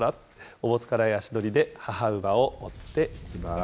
おぼつかない足取りで、母馬を追っています。